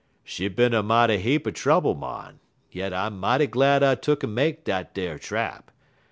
"She bin er mighty heap er trouble, mon, yet I mighty glad I tuck'n make dat ar trap.